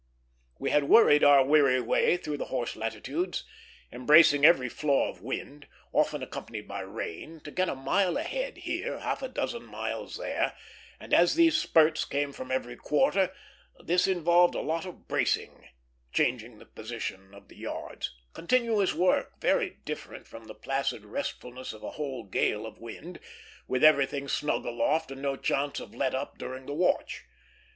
We had worried our weary way through the horse latitudes, embracing every flaw of wind, often accompanied by rain, to get a mile ahead here, half a dozen miles there; and, as these spurts come from every quarter, this involves a lot of bracing changing the position of the yards; continuous work, very different from the placid restfulness of a "whole gale" of wind, with everything snug aloft and no chance of let up during the watch.